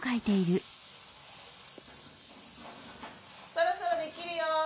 そろそろできるよ。